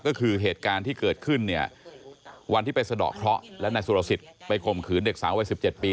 ก็คือเหตุการณ์ที่เกิดขึ้นเนี่ยวันที่ไปสะดอกเคราะห์และนายสุรสิทธิ์ไปข่มขืนเด็กสาววัย๑๗ปี